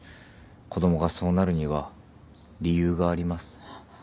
子供がそうなるには理由があります。